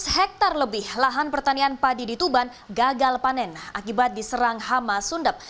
empat belas hektare lebih lahan pertanian padi di tuban gagal panen akibat diserang hama sundep